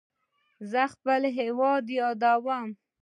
زه خپل هیواد یادوم.